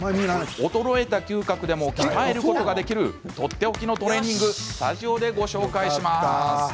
衰えた嗅覚でも鍛えることができるとっておきのトレーニングをスタジオでご紹介します。